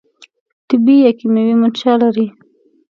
طبي یا کیمیاوي منشأ لري.